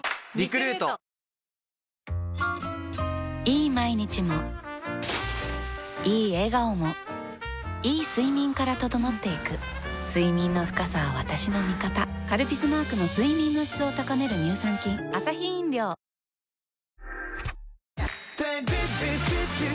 いい毎日もいい笑顔もいい睡眠から整っていく睡眠の深さは私の味方「カルピス」マークの睡眠の質を高める乳酸菌鈴木さーん！